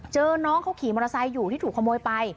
น้องเขาขี่มอเตอร์ไซค์อยู่ที่ถูกขโมยไป